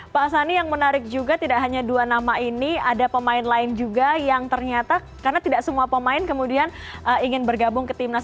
pak sani yang menarik juga tidak hanya dua nama ini ada pemain lain juga yang ternyata karena tidak semua pemain kemudian ingin bergabung ke timnas